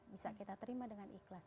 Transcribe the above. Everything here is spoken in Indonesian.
bisa kita terima dengan ikhlas